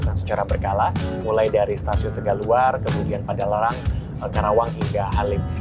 bukan secara berkala mulai dari stasiun tegak luar kemudian padalarang karawang hingga halim